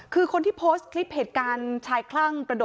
คือคนที่โพสต์คลิปเหตุการณ์ชายคลั่งกระโดด